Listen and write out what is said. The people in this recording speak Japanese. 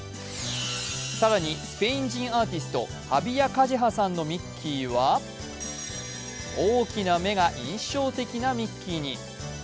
更に、スペイン人アーティスト、ハビア・カジェハさんのミッキーは大きな目が印象的なミッキーに。